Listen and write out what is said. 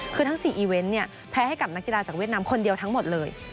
คือทั้ง๔อีเวนต์เนี่ยแพ้ให้กับนักกีฬาจากเวียดนามคนเดียวทั้งหมดเลย